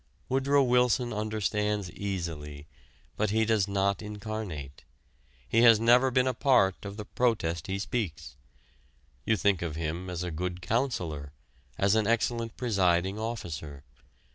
Woodrow Wilson understands easily, but he does not incarnate: he has never been a part of the protest he speaks. You think of him as a good counsellor, as an excellent presiding officer.